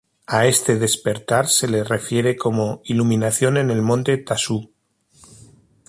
A este despertar se le refiere como "iluminación en el Monte Ta-su".